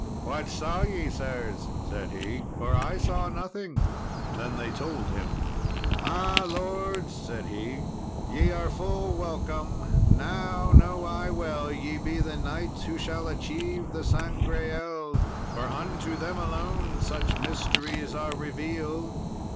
"What saw ye, sirs?" said he, "for I saw nothing." Then they told him. "Ah, lords!" said he, "ye are full welcome; now know I well ye be the knights who shall achieve the Sangreal, for unto them alone such mysteries are revealed.